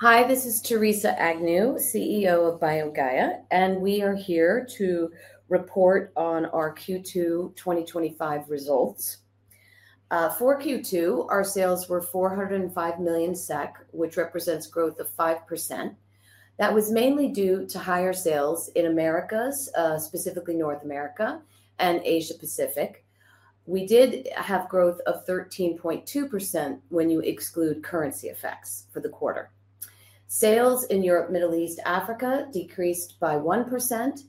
Hi, this is Theresa Agnew, CEO of BioGaia, and we are here to report on our Q2 2025 results. For Q2, our sales were 405 million SEK, which represents growth of 5%. That was mainly due to higher sales in the Americas, specifically North America and Asia Pacific. We did have growth of 13.2%. When you exclude currency effects for the quarter, sales in Europe, Middle East, and Africa decreased by 1%.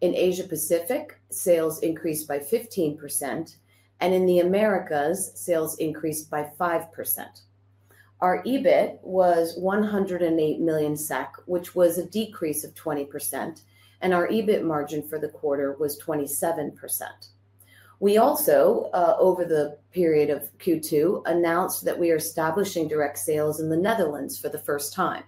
In Asia Pacific, sales increased by 15%, and in the Americas, sales increased by 5%. Our EBIT was 108 million SEK, which was a decrease of 20%, and our EBIT margin for the quarter was 27%. Over the period of Q2, we announced that we are establishing direct sales in the Netherlands for the first time.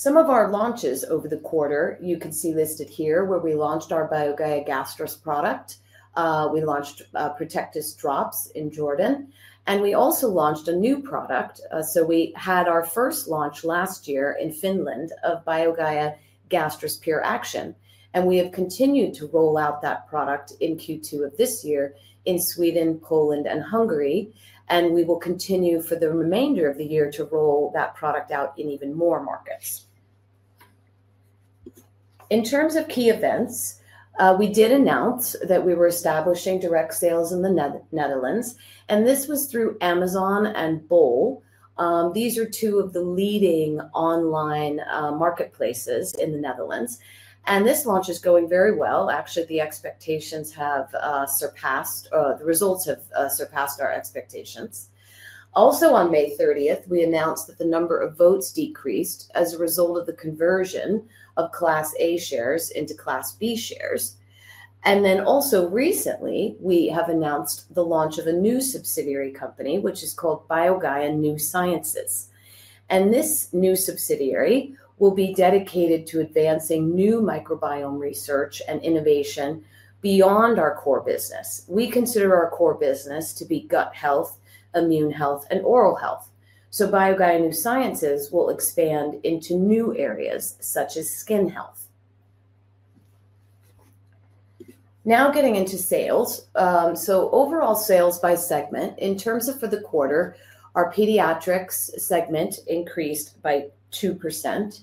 Some of our launches over the quarter, you can see listed here, where we launched our BioGaia Gastrus product. We launched Protectis drops in Jordan, and we also launched a new product. We had our first launch last year in Finland of BioGaia Gastrus PURE ACTION, and we have continued to roll out that product in Q2 of this year in Sweden, Poland, and Hungary. We will continue for the remainder of the year to roll that product out in even more markets. In terms of key events, we did announce that we were establishing direct sales in the Netherlands, and this was through Amazon and bol. These are two of the leading online marketplaces in the Netherlands, and this launch is going very well. Actually, the results have surpassed our expectations. Also, on May 30th, we announced that the number of votes decreased as a result of the conversion of Class A shares into Class B shares. Recently, we have announced the launch of a new subsidiary company, which is called BioGaia New Sciences. This new subsidiary will be dedicated to advancing new microbiome research and innovation. Beyond our core business, we consider our core business to be gut health, immune health, and oral health. BioGaia New Sciences will expand into new areas such as skin health. Now, getting into sales, overall sales by segment in terms of for the quarter, our pediatric products segment increased by 2%.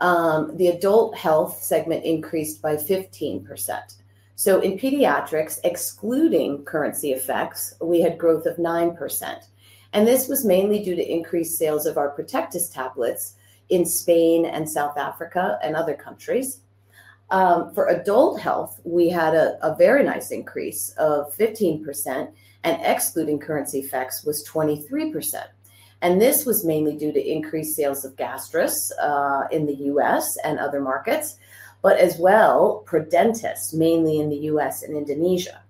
The adult health products segment increased by 15%. In pediatrics, excluding currency effects, we had growth of 9%. This was mainly due to increased sales of our Protectis tablets in Spain and South Africa and other countries. For adult health, we had a very nice increase of 15% and excluding currency effects was 23%. This was mainly due to increased sales of Gastrus in the U.S. and other markets, but as well for Prodentis, mainly in the U.S. and Indonesia.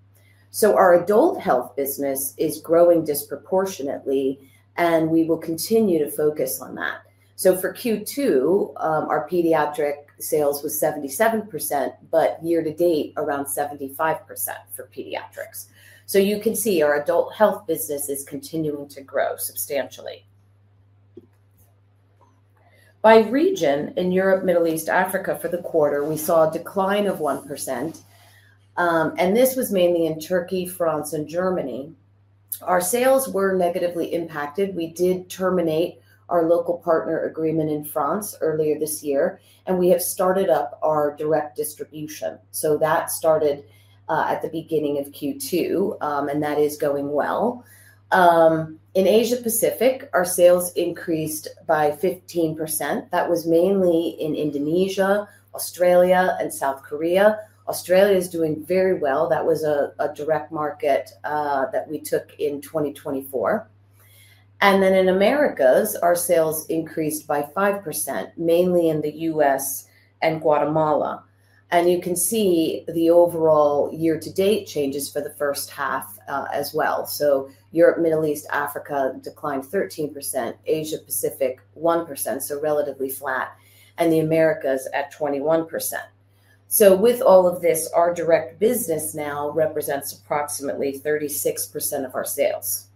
Our adult health business is growing disproportionately and we will continue to focus on that. For Q2, our pediatric sales was 77%, but year to date around 75% for pediatrics. You can see our adult health business is continuing to grow substantially by region. In EMEA for the quarter we saw a decline of 1%. This was mainly in Turkey, France, and Germany. Our sales were negatively impacted. We did terminate our local partner agreement in France earlier this year. We have started up our direct distribution. That started at the beginning of Q2 and that is going well. In Asia Pacific our sales increased by 15%. That was mainly in Indonesia, Australia, and South Korea. Australia is doing very well. That was a direct market that we took in 2024. In the Americas our sales increased by 5%, mainly in the U.S. and Guatemala. You can see the overall year to date changes for the first half as well. EMEA declined 13%, Asia Pacific 1%, so relatively flat, and the Americas at 21%. With all of this, our direct business now represents approximately 36% of our sales.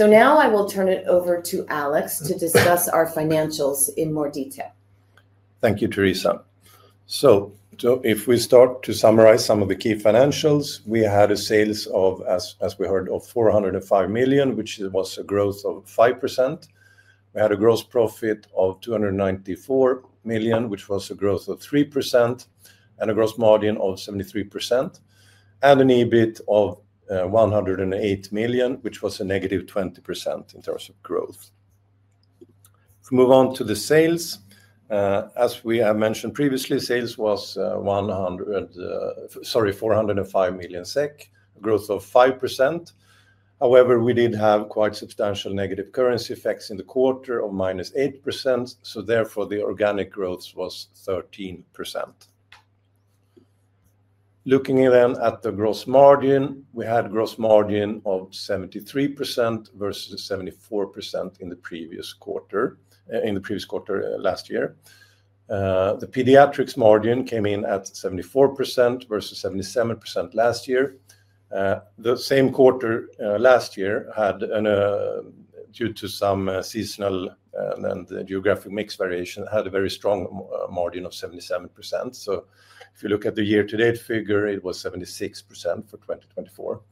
I will turn it over to Alex to discuss our financials in more detail. Thank you, Theresa. If we start to summarize some of the key financials, we had sales of 405 million, which was a growth of 5%. We had a gross profit of 294 million, which was a growth of 3%, and a gross margin of 73%, and an EBIT of 108 million, which was a negative 20% in terms of growth. Moving on to the sales, as we have mentioned previously, sales were 405 million SEK, a growth of 5%. However, we did have quite substantial negative currency effects in the quarter of -8%. Therefore, the organic growth was 13%. Looking then at the gross margin, we had a gross margin of 73% versus 74% in the previous quarter. In the previous quarter last year, the pediatrics margin came in at 74% versus 77% last year. The same quarter last year, due to some seasonal and geographic mix variation, had a very strong margin of 77%. If you look at the year-to-date figure, it was 76% for 2024,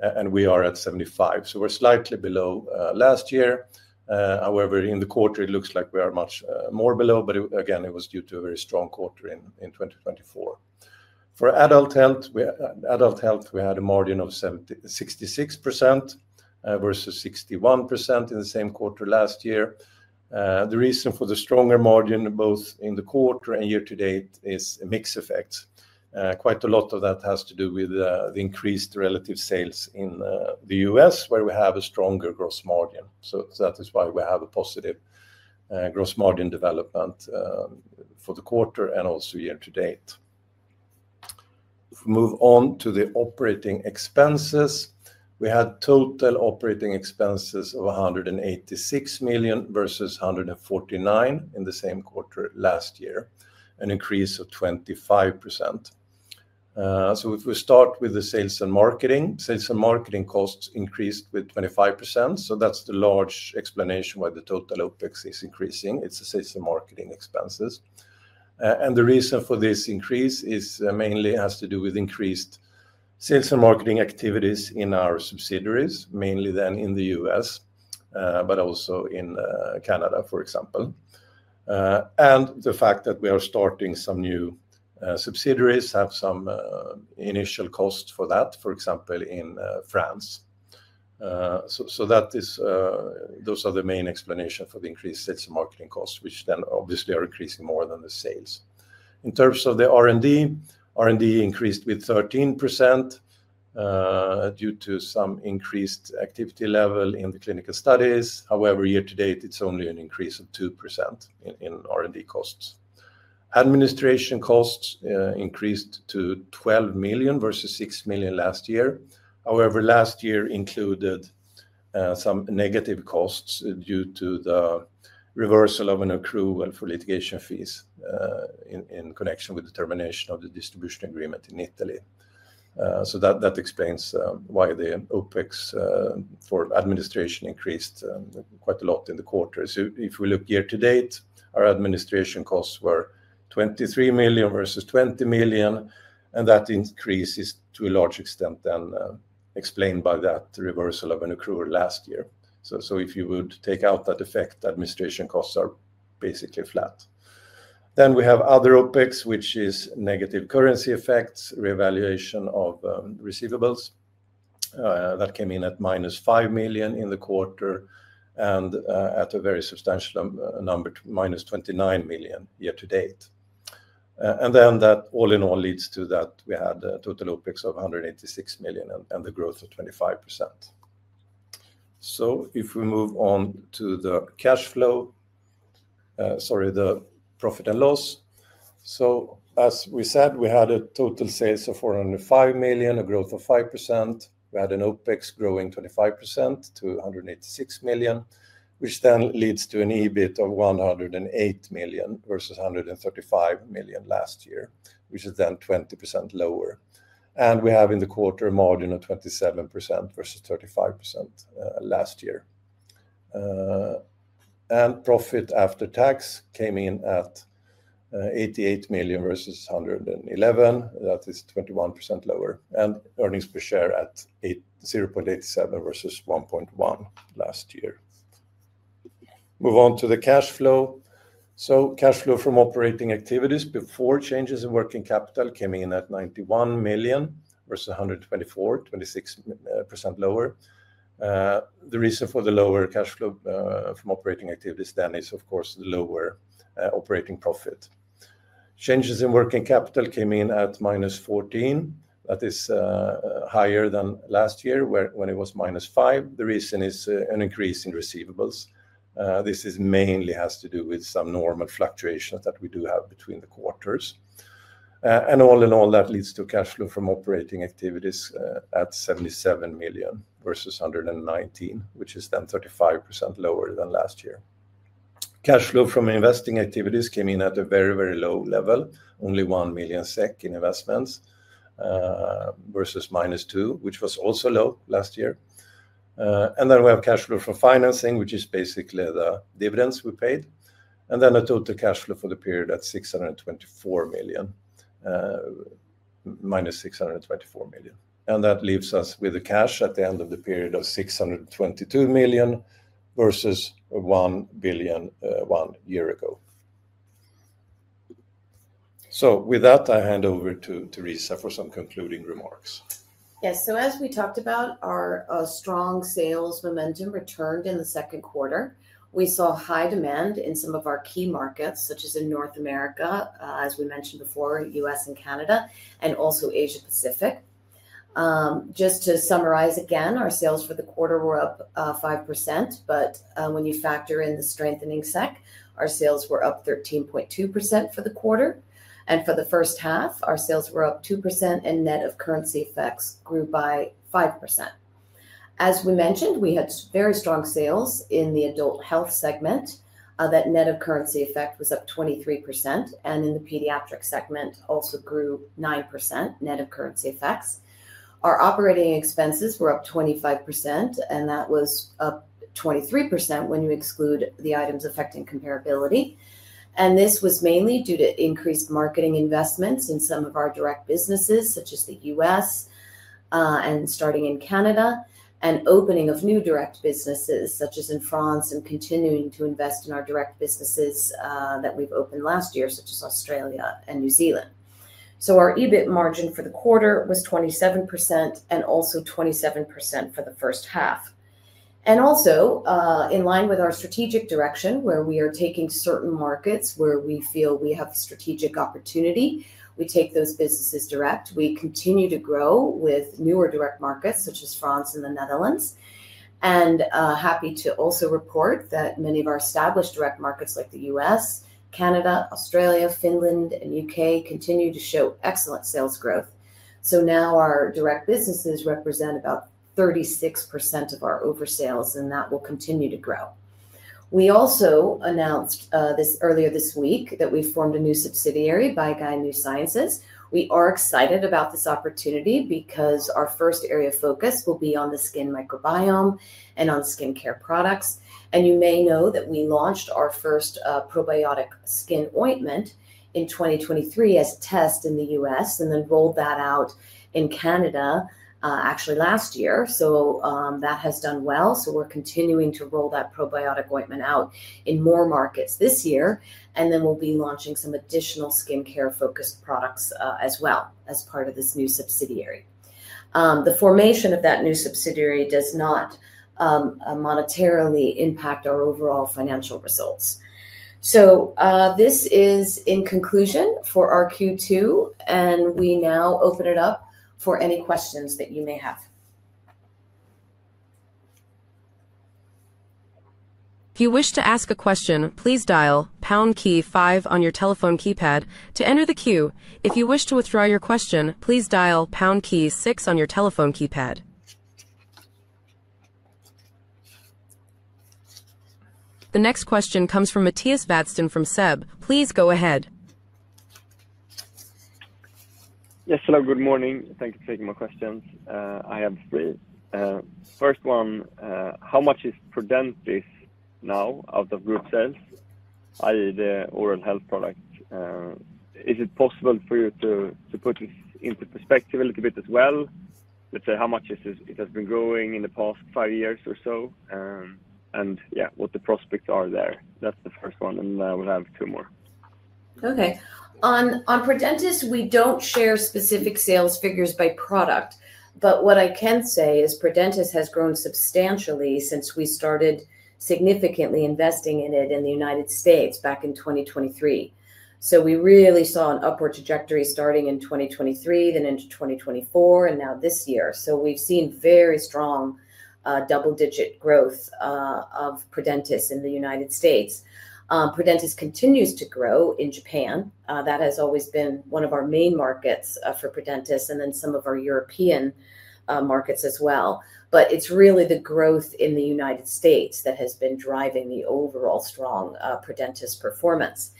and we are at 75. We're slightly below last year. However, in the quarter it looks like we are much more below, but it was due to a very strong quarter in 2024. For adult health, we had a margin of 66% versus 61% in the same quarter last year. The reason for the stronger margin both in the quarter and year-to-date is mix effects. Quite a lot of that has to do with the increased relative sales in the U.S. where we have a stronger gross margin. That is why we have a positive gross margin development for the quarter and also year-to-date. Moving on to the operating expenses, we had total operating expenses of 186 million versus 149 million in the same quarter last year, an increase of 25%. If we start with the sales and marketing, sales and marketing costs increased by 25%. That's the large explanation why the total OpEx is increasing; it's the sales and marketing expenses. The reason for this increase mainly has to do with increased sales and marketing activities in our subsidiaries, mainly in the U.S. but also in Canada, for example, and the fact that we are starting some new subsidiaries and have some initial cost for that, for example in France. Those are the main explanations for the increased sales and marketing costs, which obviously are increasing more than the sales. In terms of the R&D, R&D increased by 13% due to some increased activity level in the clinical studies. However, year-to-date it's only an increase of 2% in R&D costs. Administration costs increased to 12 million versus 6 million last year. However, last year included some negative costs due to the reversal of an accrual for litigation fees in connection with the termination of the distribution agreement in Italy. That explains why the OpEx for administration increased quite a lot in the quarter. If we look year to date, our administration costs were 23 million versus 20 million. That increase is to a large extent explained by that reversal of an accrual last year. If you would take out that effect, administration costs are basically flat. We have other OpEx, which is negative currency effects, revaluation of receivables that came in at -5 million in the quarter and at a very substantial number, -29 million year to date. All in all, we had a total OpEx of 186 million and the growth of 25%. If we move on to the profit and loss, as we said, we had total sales of 405 million, a growth of 5%. We had an OpEx growing 25% to 186 million, which then leads to an EBIT of 108 million versus 135 million last year, which is then 20% lower. We have in the quarter margin of 27% versus 35% last year. Profit after tax came in at 88 million versus 111 million, that is 21% lower. Earnings per share at 0.87 versus 1.1 last year. Moving on to the cash flow, cash flow from operating activities before changes in working capital came in at 91 million versus 124 million, 26% lower. The reason for the lower cash flow from operating activities is of course lower operating profit. Changes in working capital came in at -14 million, that is higher than last year when it was -5 million. The reason is an increase in receivables. This mainly has to do with some normal fluctuations that we do have between the quarters. All in all, that leads to cash flow from operating activities at 77 million versus 119 million, which is then 35% lower than last year. Cash flow from investing activities came in at a very, very low level, only 1 million SEK in investments versus -2 million, which was also low last year. Cash flow for financing is basically the dividends we paid, and then a total cash flow for the period at -624 million. That leaves us with cash at the end of the period of 622 million versus 1 billion one year ago. With that, I hand over to Theresa for some concluding remarks. Yes. As we talked about, our strong sales momentum returned in the second quarter. We saw high demand in some of our key markets, such as in North America, as we mentioned before, U.S. and Canada, and also Asia Pacific. Just to summarize again, our sales for the quarter were up 5% but when you factor in the strengthening SEK, our sales were up 13.2% for the quarter, and for the first half our sales were up 2% and net of currency effects grew by 5%. As we mentioned, we had very strong sales in the adult health segment that net of currency effect was up 23% and in the pediatric segment also grew 9% net of currency effects. Our operating expenses were up 25% and that was up 23% when you exclude the items affecting comparability. This was mainly due to increased marketing investments in some of our direct businesses such as the U.S. and starting in Canada and opening of new direct businesses such as in France and continuing to invest in our direct businesses that we've opened last year such as Australia and New Zealand. Our EBIT margin for the quarter was 27% and also 27% for the first half and also in line with our strategic direction. Where we are taking certain markets, where we feel we have strategic opportunity, we take those businesses direct. We continue to grow with newer direct markets such as France and the Netherlands and are happy to also report that many of our established direct markets like the U.S., Canada, Australia, Finland, and U.K. continue to show excellent sales growth. Now our direct businesses represent about 36% of our overall sales and that will continue to grow. We also announced earlier this week that we formed a new subsidiary, BioGaia New Sciences. We are excited about this opportunity because our first area of focus will be on the skin microbiome and on skin care products. You may know that we launched our first probiotic skin ointment in 2023 as a test in the U.S. and then rolled that out in Canada actually last year. That has done well. We are continuing to roll that probiotic ointment out in more markets this year and then will be launching some additional skin care focused products as well as part of this new subsidiary. The formation of that new subsidiary does not monetarily impact our overall financial results. This is in conclusion for our Q2 and we now open it up for any questions that you may have. If you wish to ask a question, please dial the pound key five on your telephone keypad to enter the queue. If you wish to withdraw your question, please dial six on your telephone keypad. The next question comes from Mattias Vadsten from SEB. Please go ahead. Yes, hello, good morning. Thank you for taking my questions. I have three. First one, how much is Prodentis now out of group sales? That is the oral health product. Is it possible for you to put this into perspective a little bit as well? Let's say how much it has been growing in the past five years or so, and yeah, what the prospects are there. That's the first one and I'll have two more. Okay. On Prodentis, we don't share specific sales figures by product, but what I can say is Prodentis has grown substantially since we started significantly investing in it in the United States back in 2023. We really saw an upward trajectory starting in 2023, then into 2024 and now this year. We've seen very strong double digit growth of Prodentis in the United States. Prodentis continues to grow in Japan. That has always been one of our main markets for Prodentis and then some of our European markets as well. It's really the growth in the United States that has been driving the overall strong Prodentis performance.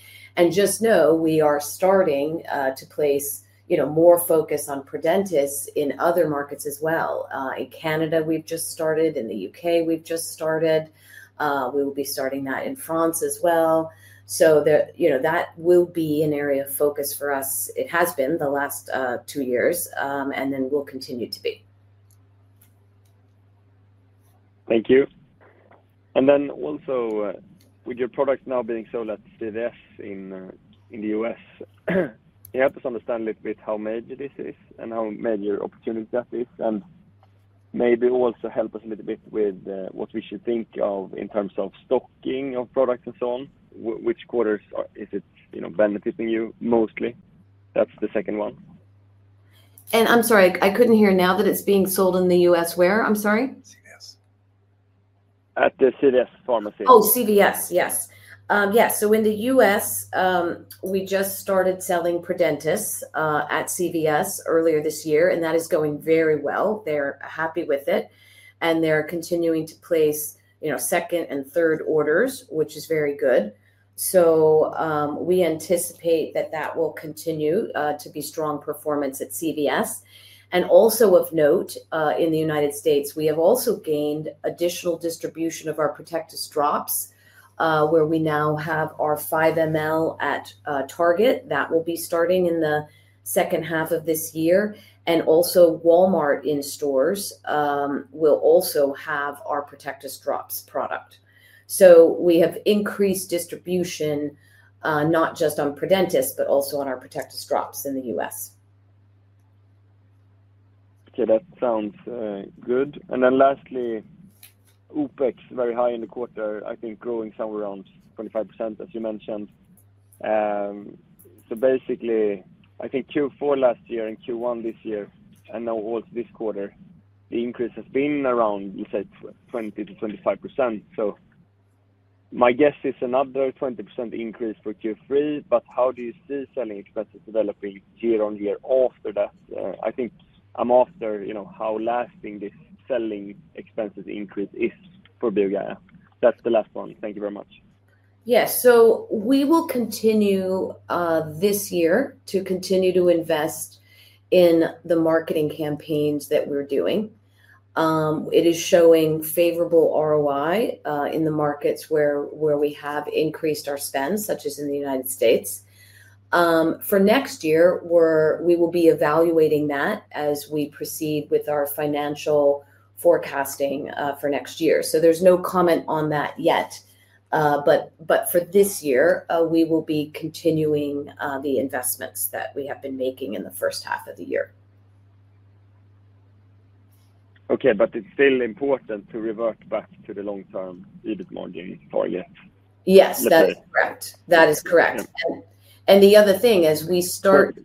Just know we are starting to place more focus on Prodentis in other markets as well. In Canada we've just started. In the U.K. we've just started. We will be starting that in France as well. That will be an area of focus for us. It has been the last two years and will continue to be. Thank you. With your product now being sold at CVS in the U.S., can you help us understand a little bit how major this is and how major an opportunity that is, and maybe also help us a little bit with what we should think of in terms of stocking of products and so on? Which quarters is it, you know, benefiting you mostly? That's the second one. I'm sorry, I couldn't hear now that it's being sold in the U.S. where. I'm sorry CVS. At the CVS Pharmacy. Oh, CVS, yes, yes. In the U.S. we just started selling Prodentis at CVS earlier this year and that is going very well. They're happy with it and they're continuing to place second and third orders, which is very good. We anticipate that will continue to be strong performance at CVS. Also of note, in the United States we have also gained additional distribution of our Protectis drops where we now have our 5ml at Target that will be starting in the second half of this year. Walmart in stores will also have our Protectis drops product. We have increased distribution not just on Prodentis but also on our Protectis drops in the U.S. Okay, that sounds good. Lastly, OpEx was very high in the quarter, I think growing somewhere around 25% as you mentioned. Basically, I think Q4 last year and Q1 this year and now also this quarter, the increase has been around, you said, 20-25%. My guess is another 20% increase for Q3. How do you see selling expenses developing year-over-year after that? I think I'm after how lasting this selling expenses increase is for BioGaia. That's the last one. Thank you very much. Yes, we will continue this year to continue to invest in the marketing campaigns that we're doing. It is showing favorable ROI in the markets where we have increased our spend, such as in the United States for next year. We will be evaluating that as we proceed with our financial forecasting for next year. There is no comment on that yet. For this year we will be continuing the investments that we have been making in the first half of the year. Okay, it's still important to revert back to the long term EBIT margin target. Yes, that is correct. The other thing, as we start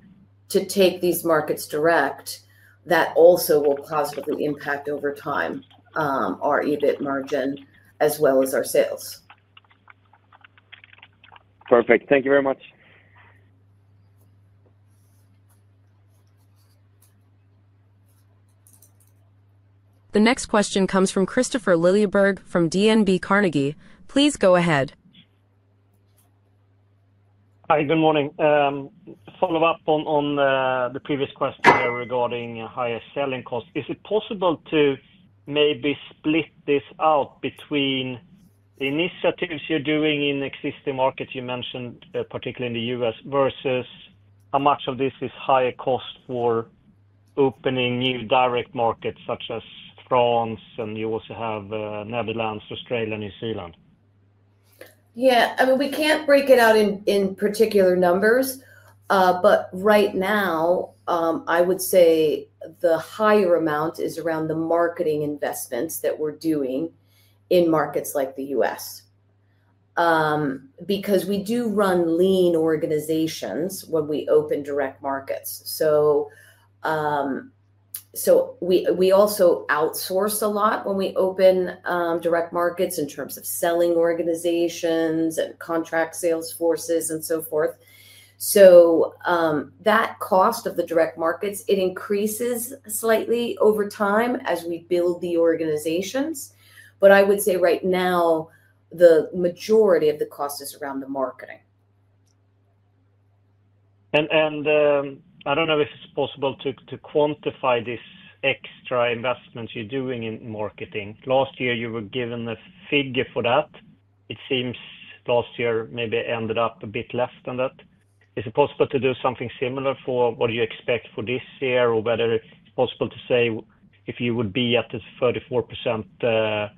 to take these markets direct, that also will cause, with an impact over time, our EBIT margin as well as our sales. Perfect. Thank you very much. The next question comes from Kristofer Liljeberg from DNB Carnegie. Please go ahead. Hi, good morning. Follow up on the previous question there regarding higher selling costs. Is it possible to maybe split this out between initiatives you're doing in existing markets you mentioned, particularly in the U.S., versus how much of this is higher cost for opening new direct markets such as France? You also have Netherlands, Australia, New Zealand. Yeah, I mean we can't break it out in particular numbers, but right now I would say the higher amount is around the marketing investments that we're doing in markets like the US because we do run lean organizations when we open direct markets. We also outsource a lot when we open direct markets in terms of selling organizations and contract sales forces and so forth. That cost of the direct markets increases slightly over time as we build the organizations. I would say right now the majority of the cost is around the marketing. Is it possible to quantify this extra investment you're doing in marketing? Last year you were given a figure for that. It seems last year maybe ended up a bit less than that. Is it possible to do something similar for what you expect for this year, or whether it's possible to say if you would be at the 34%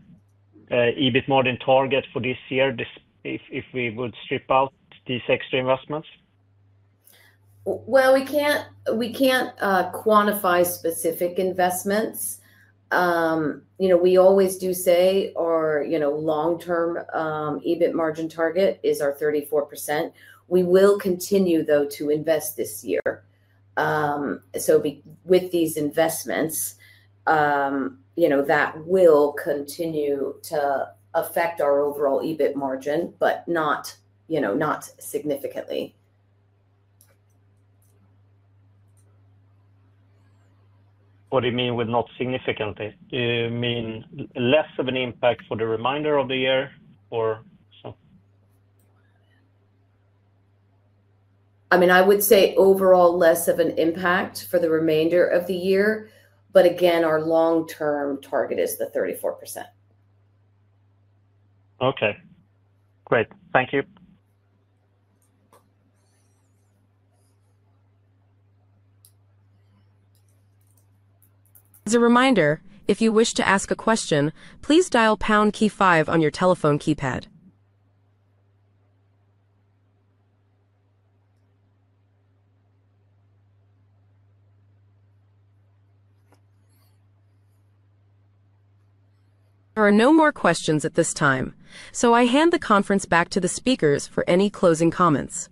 EBIT margin target for this year if we would strip out these extra investments? We can't quantify specific investments. You know, we always do say our, you know, long term EBIT margin target is our 34%. We will continue though to invest this year. With these investments, you know, that will continue to affect our overall EBIT margin but not, you know, not significantly. What do you mean with not significantly? You mean less of an impact for the remainder of the year or some? I would say overall less of an impact for the remainder of the year, but again, our long term target is the 34%. Okay, great. Thank you. As a reminder, if you wish to ask a question, please dial key five on your telephone keypad. There are no more questions at this time, so I hand the conference back to the speakers for any closing comments.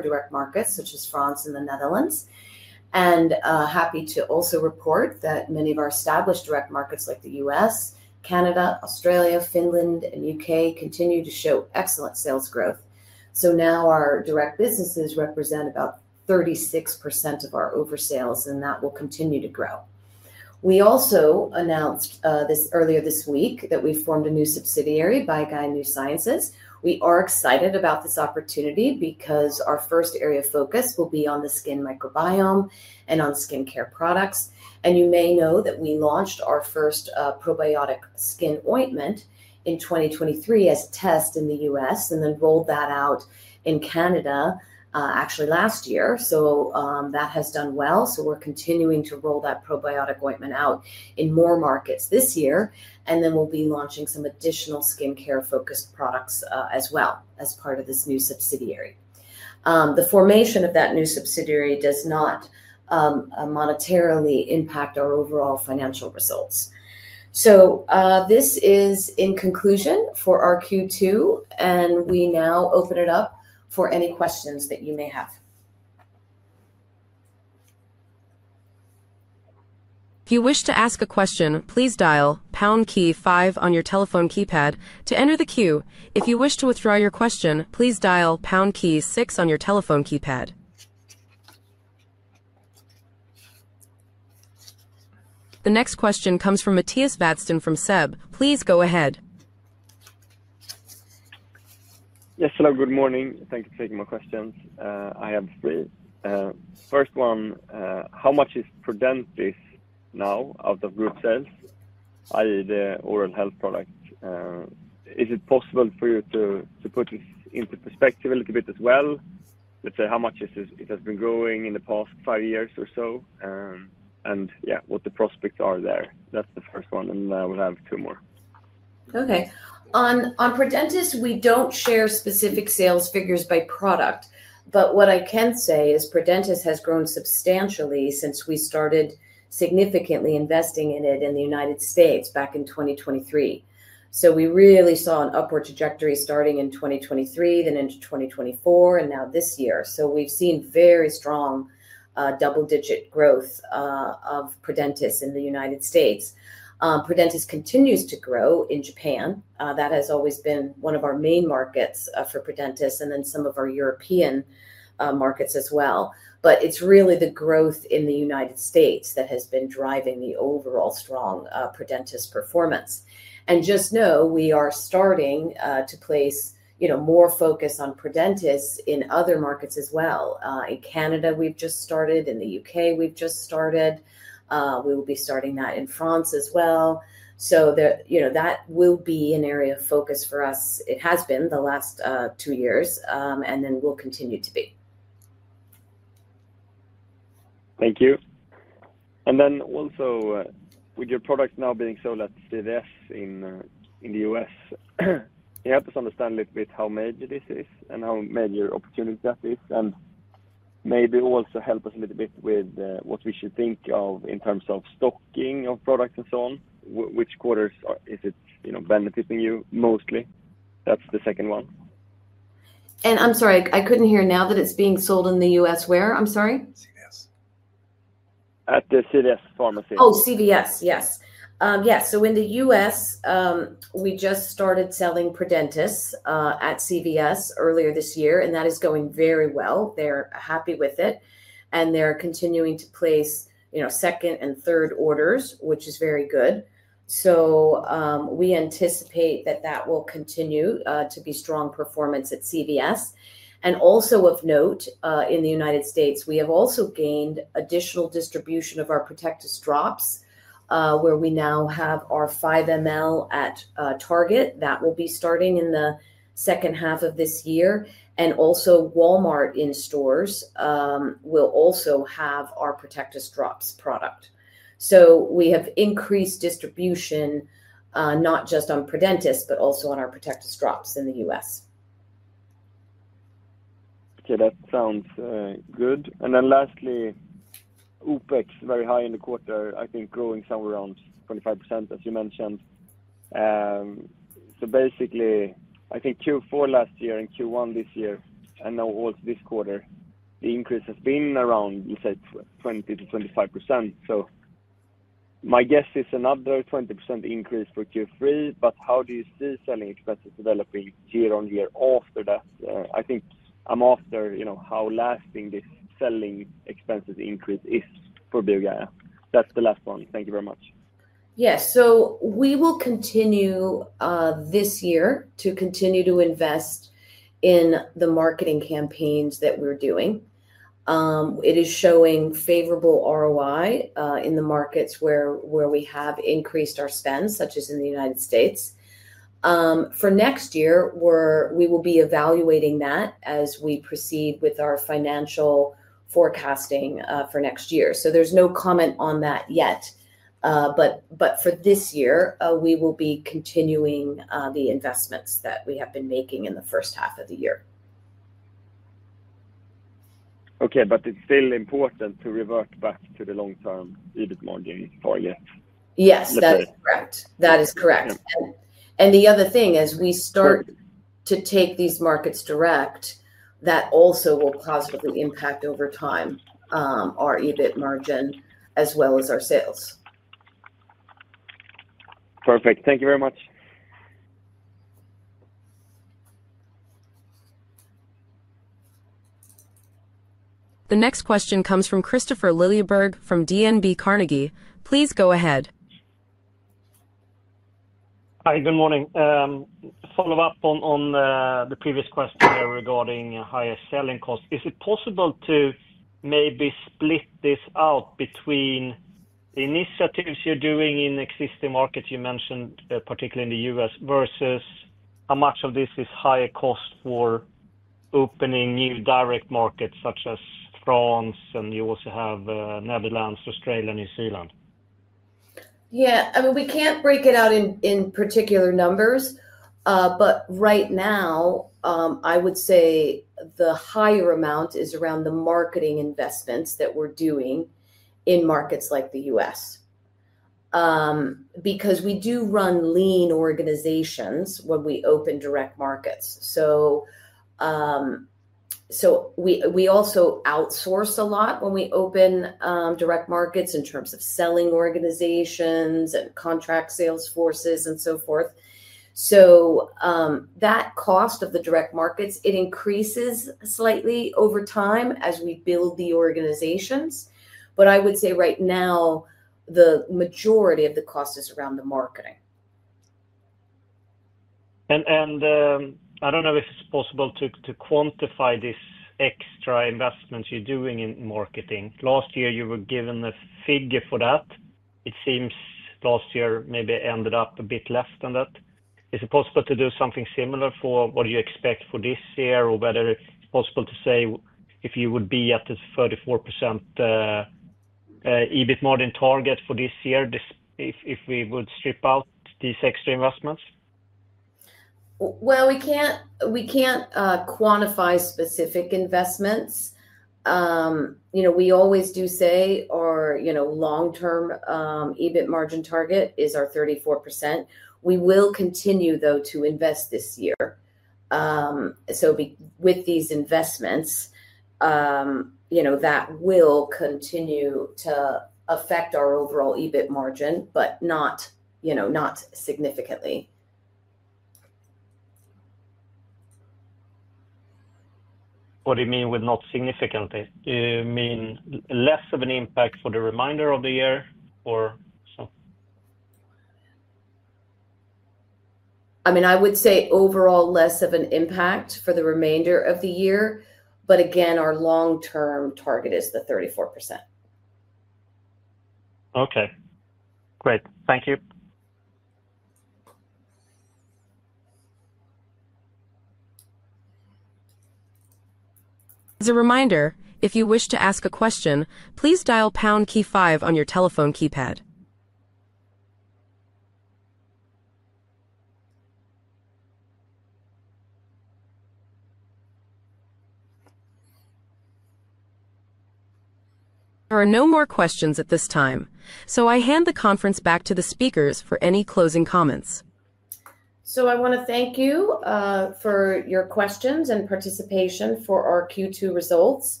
I want to thank you for your questions and participation for our Q2 results,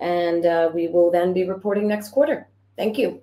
and we will then be reporting next quarter. Thank you.